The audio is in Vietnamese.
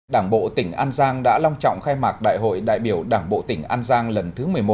đảng bộ tỉnh an giang đã long trọng khai mạc đại hội đại biểu đảng bộ tỉnh an giang lần thứ một mươi một